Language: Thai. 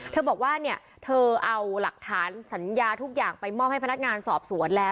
บอกว่าเนี่ยเธอเอาหลักฐานสัญญาทุกอย่างไปมอบให้พนักงานสอบสวนแล้ว